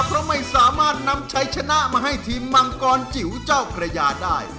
เพราะไม่สามารถนำชัยชนะมาให้ทีมมังกรจิ๋วเจ้าพระยาได้